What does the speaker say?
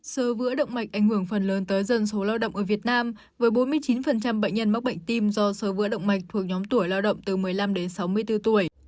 sơ vữa động mạch ảnh hưởng phần lớn tới dân số lao động ở việt nam với bốn mươi chín bệnh nhân mắc bệnh tim do sơ vữa động mạch thuộc nhóm tuổi lao động từ một mươi năm đến sáu mươi bốn tuổi